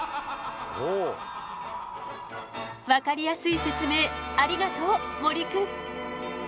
分かりやすい説明ありがとう森くん！